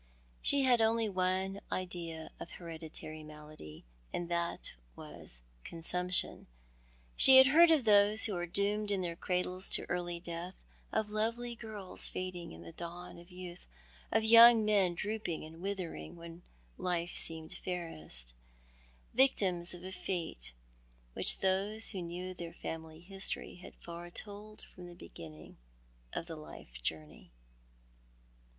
She had only one idea of hereditary malady, and that was consumption. She had heard of those who were doomed in their cradles to early death ; of lovely girls fading in the dawn of youth ; of young men drooping and withering when life seemed fairest; victims of a fate which those who knew their family history had foretold from the beginning of the life journey.